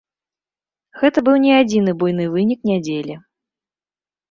Гэта быў не адзіны буйны вынік нядзелі.